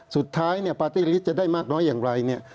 สุดท้ายเนี่ยปาร์ตี้ลิตจะได้มากน้อยอย่างไรเนี่ย